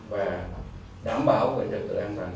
và đảm bảo về trực tựa an toàn